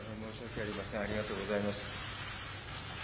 ありがとうございます。